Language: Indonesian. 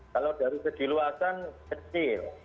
kalau dari ke diluasan kecil